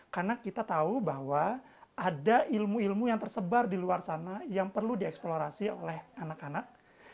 karena kita tahu bahwa ada ilmu ilmu yang tersebar di luar sana yang perlu dieksplorasi oleh anak anak